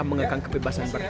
mengekang kebebasan bertahan